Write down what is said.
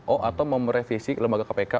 oh atau mau merevisi lembaga kpk